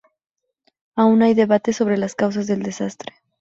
Aún hay debates sobre las causas del desastre.